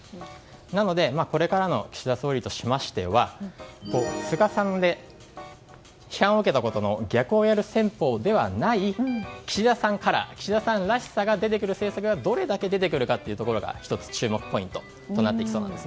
なのでこれからの岸田総理としましては、菅さんが逆をやる戦法ではない岸田カラー、岸田さんらしさが出てくる政策がどれだけ出てくるか注目ポイントとなってきそうです。